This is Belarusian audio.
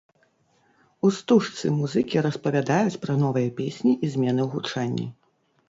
У стужцы музыкі распавядаюць пра новыя песні і змены ў гучанні.